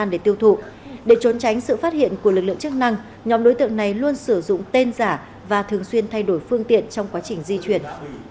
để trốn tránh sự phát hiện của lực lượng chức năng nhóm đối tượng này luôn sử dụng tên giả và thường xuyên thay đổi phương tiện trong quá trình di chuyển